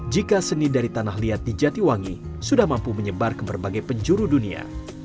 jika seni dari tanah liat di jatiwangi sudah mampu menyebar ke berbagai penjuru dunia